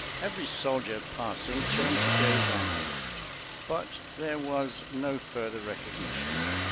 Every soldier passing turned to gaze on him. But there was no further recognition.